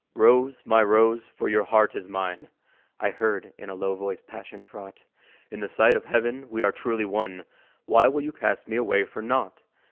"Rose, my Rose! for your heart is mine," I heard in a low voice, passion fraught, "In the sight of Heaven we are truly one; Why will you cast me away for naught?